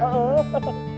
kamis berapa pak